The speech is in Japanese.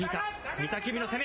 御嶽海の攻め。